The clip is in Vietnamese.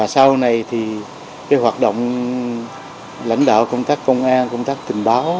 sau này thì cái hoạt động lãnh đạo công tác thành công an công tác tình báo